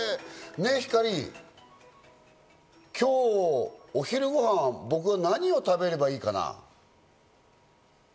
ねぇ、ヒカリ、今日お昼ごはん、僕は何を食べればいいかな？